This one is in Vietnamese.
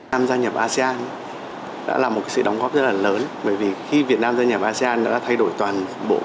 an gia nhập asean đã là một sự đóng góp rất là lớn bởi vì khi việt nam gia nhập asean đã thay đổi toàn bộ